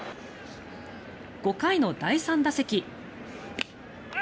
５回の第３打席。